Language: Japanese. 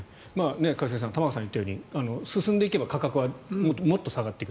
一茂さん玉川さんが言ったように進んでいけば価格はもっと下がっていく。